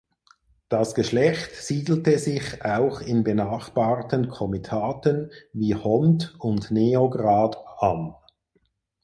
Das Geschlecht siedelte sich auch in benachbarten Komitaten wie Hont und Neograd an.